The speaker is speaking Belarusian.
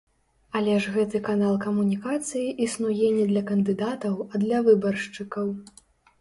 Але ж гэты канал камунікацыі існуе не для кандыдатаў, а для выбаршчыкаў.